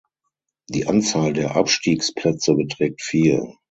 Die Anzahl der Abstiegsplätze beträgt vier.